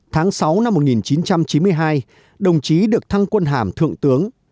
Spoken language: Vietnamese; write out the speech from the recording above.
tháng sáu năm một nghìn chín trăm chín mươi hai đồng chí được thăng quân hàm thượng tướng